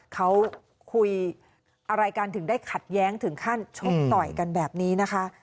เขาคุยอะไรกันถึงได้ขัดแย้งถึงขั้นชกต่อยกันแบบนี้นะคะ